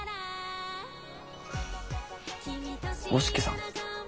五色さん？